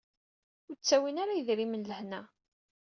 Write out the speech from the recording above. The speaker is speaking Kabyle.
Ur d-ttawin ara yedrimen lehna.